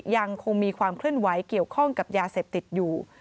ยังคงมีความเคลื่อนไหวเกี่ยวข้องกับยาเสพติดอยู่